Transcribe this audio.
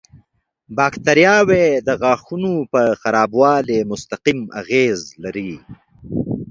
باکتریاوې د غاښونو پر خرابوالي مستقیم اغېز لري.